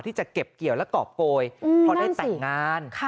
ที่จะเก็บเกี่ยวและกรอบโกยเพราะได้แต่งงาน